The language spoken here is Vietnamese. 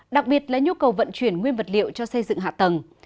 đặc biệt là nhu cầu vận chuyển nguyên vật liệu cho xây dựng hạ tầng